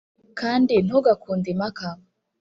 kandi ntugakunde impaka